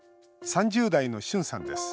３０代のシュンさんです